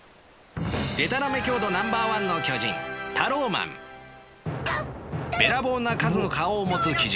でたらめ強度ナンバーワンの巨人べらぼうな数の顔を持つ奇獣